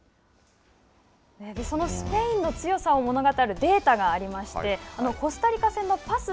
そのスペインの強さを物語るデータがありましてコスタリカ戦のパス